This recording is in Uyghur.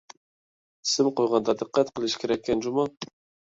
ئىسىم قويغاندا دىققەت قىلىش كېرەككەن جۇمۇ.